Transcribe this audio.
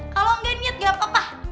kalau nggak niat gak apa apa